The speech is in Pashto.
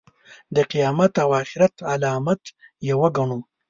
د قیامت او آخرت علامت یې وګڼو.